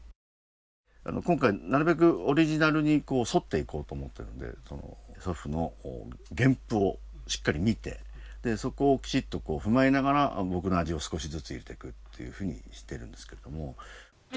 今回なるべくオリジナルに沿っていこうと思ってるんで祖父の原譜をしっかり見てそこをきちっと踏まえながら僕の味を少しずつ入れてくっていうふうにしてるんですけども。